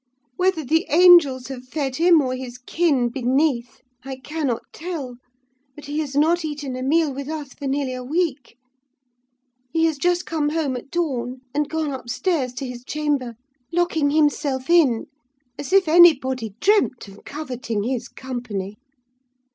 Whether the angels have fed him, or his kin beneath, I cannot tell; but he has not eaten a meal with us for nearly a week. He has just come home at dawn, and gone upstairs to his chamber; locking himself in—as if anybody dreamt of coveting his company!